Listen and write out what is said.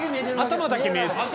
頭だけ見えてる。